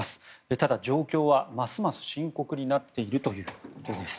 ただ、状況はますます深刻になっているということです。